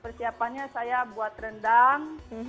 persiapannya saya buat rendang